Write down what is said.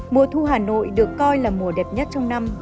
mùa thu hà nội được coi là mùa đẹp nhất trong năm